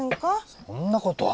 そんなことは。